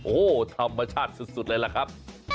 โอ้โหธรรมชาติสุดเลยล่ะครับ